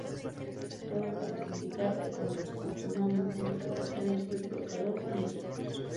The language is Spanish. Todo parece indicar que contrajo matrimonio en siete ocasiones y procreó diez hijos.